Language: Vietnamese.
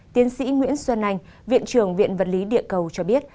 tiến sĩ nguyễn xuân anh viện trưởng viện vật lý địa cầu cho biết